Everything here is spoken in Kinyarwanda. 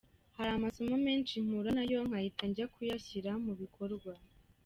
Hari amasomo menshi mpura nayo nkahita njya kuyashyira mu bikorwa.